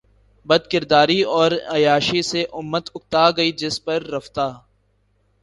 بدکرداری اور عیاشی سے امت اکتا گئ جس پر رفتہ